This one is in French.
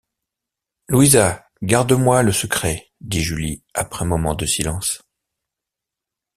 Louisa, garde-moi le secret, dit Julie après un moment de silence.